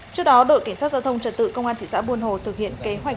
trước đó đội cảnh sát giao thông trật tự công an thị xã buôn hồ thực hiện kế hoạch